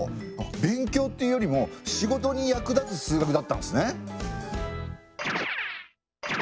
勉強っていうよりも仕事に役立つ数学だったんですね。